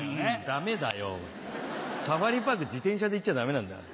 ダメだよサファリパーク自転車で行っちゃダメなんだよ。